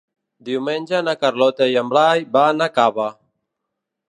Diumenge na Carlota i en Blai van a Cava.